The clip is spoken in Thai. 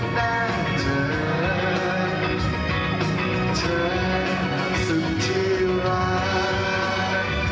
เธอเธอสุดที่รัก